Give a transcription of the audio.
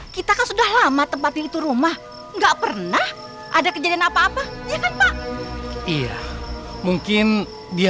kita kan sudah lama tempat itu rumah enggak pernah ada kejadian apa apa iya mungkin dia